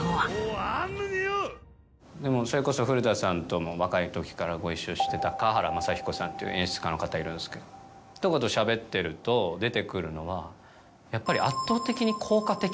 それこそ古田さんとも若いときからご一緒してた河原雅彦さんっていう演出家の方いるんですけど。とかとしゃべってると出てくるのはやっぱり。